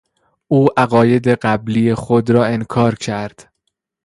او عقاید قبلی خود را انکار کرد.